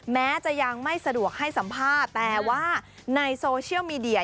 แม้จะยังไม่สะดวกให้สัมภาษณ์แต่ว่าในโซเชียลมีเดีย